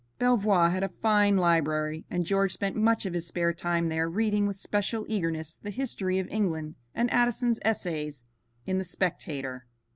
Belvoir had a fine library, and George spent much of his spare time there reading with special eagerness the history of England and Addison's essays in the Spectator.